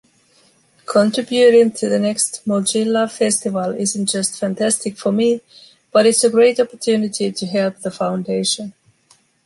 Contributing to the next Mozilla Festival isn’t just fantastic for me, but it’s a great opportunity to help the foundation.